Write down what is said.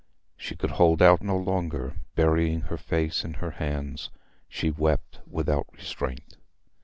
She could hold out no longer; burying her face in her hands, she wept without restraint.